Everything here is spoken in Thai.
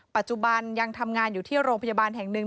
ปัจจุบันยังทำงานอยู่ที่โรงพยาบาลแห่งหนึ่ง